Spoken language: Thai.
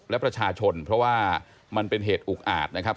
และประชาชนเพราะว่ามันเป็นเหตุอุกอาจนะครับ